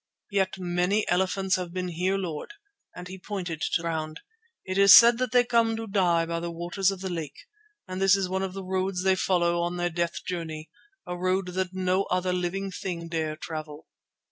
"Yet many elephants have been here, Lord," and he pointed to the ground. "It is said that they come to die by the waters of the lake and this is one of the roads they follow on their death journey, a road that no other living thing dare travel."